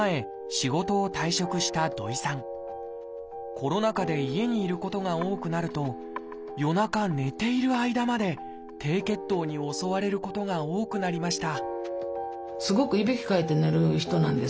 コロナ禍で家にいることが多くなると夜中寝ている間まで低血糖に襲われることが多くなりました